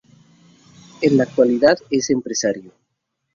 En la actualidad es empresario.